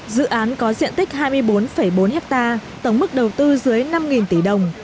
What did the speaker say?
dự án có diện tích hai mươi bốn bốn hectare tổng mức đầu tư dưới năm tỷ đồng